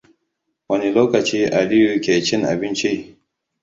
Wane lokaci Aliyu ke cin abinci?